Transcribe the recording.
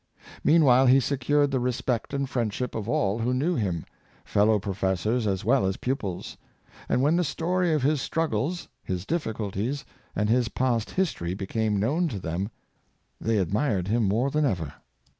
Meanwhile, he secured the re spect and friendship of all who knew him — fellow pro fessors as well as pupils; and when the story of his struggles, his difficulties, and his past history became known to them, they admired him more than ever.